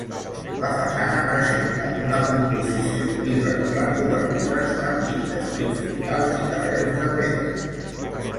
La façana presenta una composició irregular d'obertures, amb llindes horitzontals i carreus de pedra.